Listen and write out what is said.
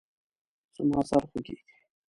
زما سر خوږیږي